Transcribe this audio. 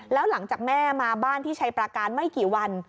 แล้วหลังจากแม่มาบ้านที่ชัยประการไม่กี่วัน